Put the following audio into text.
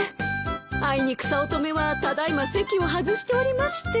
あいにく早乙女はただ今席を外しておりまして。